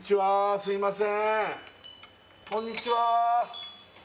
すいません